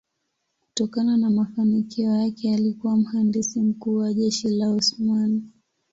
Kutokana na mafanikio yake alikuwa mhandisi mkuu wa jeshi la Osmani.